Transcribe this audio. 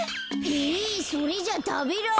えそれじゃたべられ。